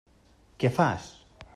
Què fas?